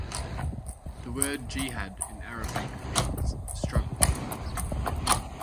The word jihad in Arabic means 'struggle'.